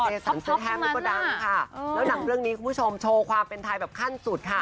โอ้สุดยอดท็อปทั้งนั้นค่ะแล้วหนังเรื่องนี้คุณผู้ชมโชว์ความเป็นไทยแบบขั้นสุดค่ะ